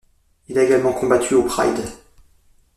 Il a également combattu au Pride.